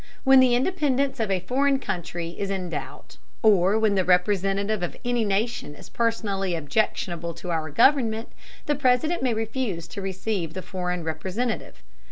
When the independence of a foreign country is in doubt, or when the representative of any nation is personally objectionable to our government, the President may refuse to receive the foreign representative.